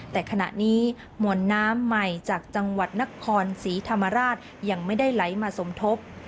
แต่ขณะนี้มวลน้ำใหม่จากจังหวัดนครศรีธรรมราชยังไม่ได้ไหลมาสมทบ